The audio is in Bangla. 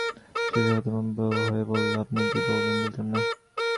সফিক হতভম্ব হয়ে বলল, আপনি কী বললেন, বুঝলাম না।